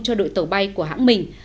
cho đội tàu bay của hãng mình